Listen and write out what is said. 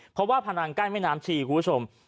เพราะว่าพนังกั้นแม่น้ำชีคุณผู้ชม